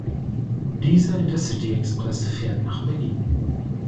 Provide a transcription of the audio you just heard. Dieser Intercity-Express fährt nach Berlin.